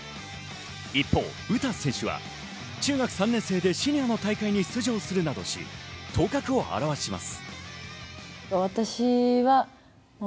一方、詩選手は中学３年生でシニアの大会に出場するなどし頭角を現します。